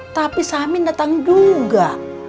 tapi samin datang juga